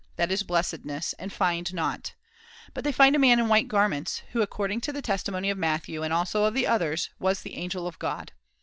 THE FOURTH TREATISE 339 blessedness, and find not ; but they find a man Galilee in white garments, who, according to the testi mony of Matthew, and also of the others, was the angel of God.